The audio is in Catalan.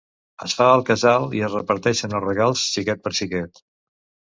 Es fa al casal i es reparteixen els regals xiquet per xiquet.